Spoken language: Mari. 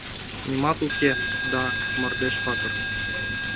Нимат уке... да... мардеж патыр.